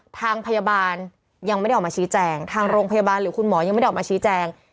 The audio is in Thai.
ทางพยาบาลยังไม่ได้ออกมาชี้แจงทางโรงพยาบาลหรือคุณหมอยังไม่ได้ออกมาชี้แจง